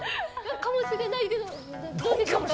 かもしれないけどどうでしょうか？